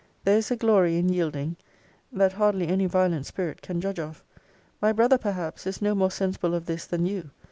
There is a glory in yielding, that hardly any violent spirit can judge of. My brother, perhaps, is no more sensible of this than you.